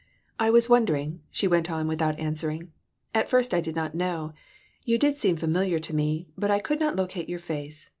"I was wondering," she went on without answering. "At first I did not know. You did seem familiar to me, but I could not locate your face.